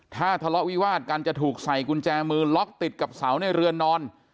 ถ้าทะเลาะวิวาดกันจะถูกใส่กุญแจมือล็อกติดกับเสาในเรือนนอน